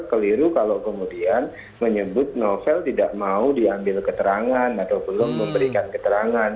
keliru kalau kemudian menyebut novel tidak mau diambil keterangan atau belum memberikan keterangan